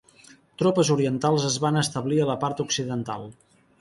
Tropes orientals es van establir a la part occidental.